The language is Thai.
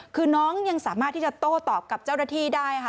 คือน้องยังสามารถที่จะโต้ตอบกับเจ้าหน้าที่ได้ค่ะ